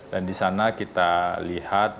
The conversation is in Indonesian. dan di sana kita lihat